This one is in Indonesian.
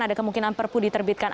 ada kemungkinan perpu diterbitkan